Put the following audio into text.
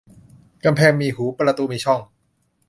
กำแพงมีหูประตูมีช่อง